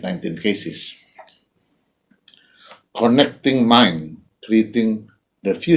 menyatakan pikiran menciptakan masa depan